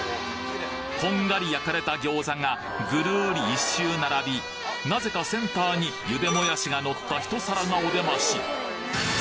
こんがり焼かれた餃子がぐるり１周並びなぜかセンターに茹でもやしがのった一皿がお出まし！